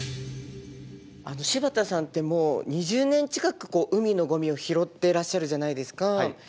柴田さんってもう２０年近く海のゴミを拾ってらっしゃるじゃないですか。